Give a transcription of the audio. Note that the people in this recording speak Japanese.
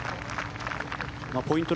ポイント